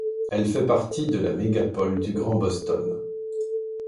Elle fait partie de la mégapole du Grand Boston.